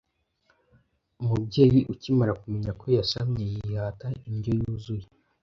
Umubyeyi ukimara kumenya ko yasamye yihata indyo yuzuye,